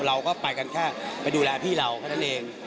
เราก็ไปกันแค่ไปดูแลพี่เราแค่นั้นเอง